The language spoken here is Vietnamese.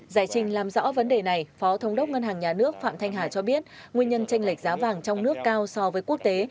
giải trình làm rõ vấn đề này phó thống đốc ngân hàng nhà nước phạm thanh hà cho biết nguyên nhân tranh lệch giá vàng trong nước cao so với quốc tế